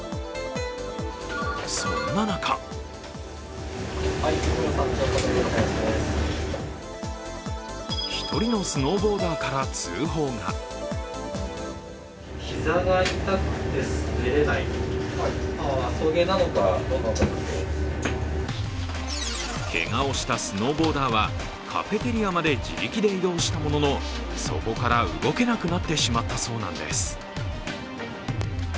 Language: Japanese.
そんな中１人のスノーボーダーから通報がけがをしたスノーボーダーはカフェテリアまで自力で移動したもののそこから動けなくなってしまったそうなんです。